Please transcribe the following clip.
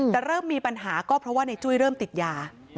แต่เริ่มมีปัญหาก็เพราะว่าในจุ้ยเริ่มติดยา